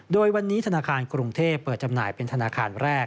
โดยวันนี้ธนาคารกรุงเทพเปิดจำหน่ายเป็นธนาคารแรก